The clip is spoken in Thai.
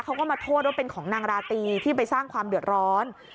เขาก็มาโทษว่าเป็นของนางราตรีที่ไปสร้างความเดือดร้อน